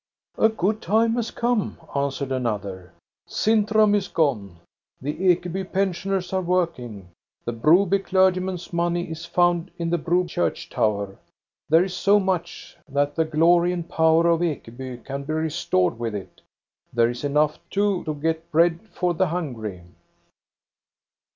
"A good time has come," answered another. " Sintram is gone. The Ekeby pensioners are work ing. The Broby clergyman's money is found in the Bro church tower. There is so much that the glory and power of Ekeby can be restored with it. Ther6 is enough too to get bread for the hungry."